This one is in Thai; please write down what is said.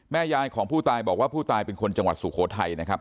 ยายของผู้ตายบอกว่าผู้ตายเป็นคนจังหวัดสุโขทัยนะครับ